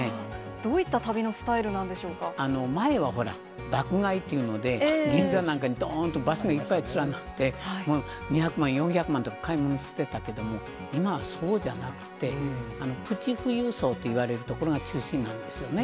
どういった旅のスタイルなん前はほら、爆買いというので、銀座なんかにどーんとバスがいっぱい連なって、もう２００万、４００万とか買い物してたけども、今はそうじゃなくて、プチ富裕層といわれるところが中心なんですよね。